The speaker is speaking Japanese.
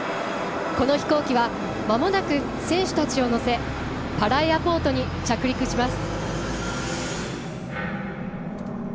この飛行機はまもなく選手たちを乗せパラ・エアポートに着陸します。